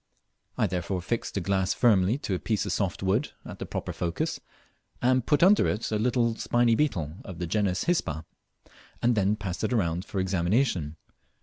I therefore fixed the glass firmly to a piece of soft wood at the proper focus, and put under it a little spiny beetle of the genus Hispa, and then passed it round for examination.